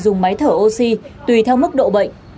dùng máy thở oxy tùy theo mức độ bệnh